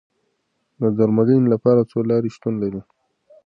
د درملنې لپاره څو لارې شتون لري.